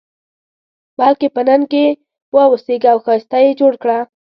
بلکې په نن کې واوسېږه او ښایسته یې جوړ کړه.